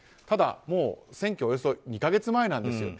ただ、もう選挙のおよそ２か月前なんです。